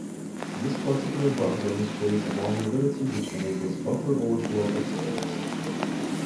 This particular bug demonstrates a vulnerability which enables buffer overflow exploits.